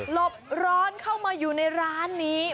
บร้อนเข้ามาอยู่ในร้านนี้